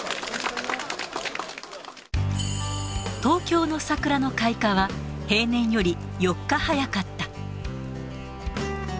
東京の桜の開花は、平年より４日早かった。